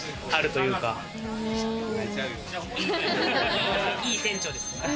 いい店長ですね。